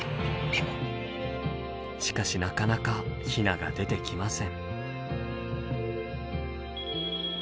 しかしなかなかヒナが出てきません。